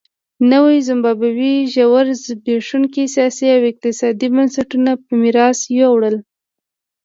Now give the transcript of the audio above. نوې زیمبابوې ژور زبېښونکي سیاسي او اقتصادي بنسټونه په میراث یووړل.